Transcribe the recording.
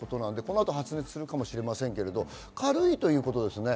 発熱するかもしれませんが軽いということですよね。